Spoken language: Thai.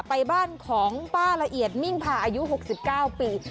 ไปบ้านของป้าละเอียดมิ่งพาอายุ๖๙ปี